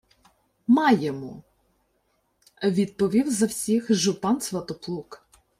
— Маємо, — відповів за всіх жупан Сватоплук.